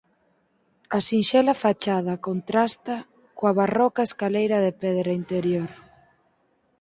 A sinxela fachada contrasta coa barroca escaleira de pedra interior.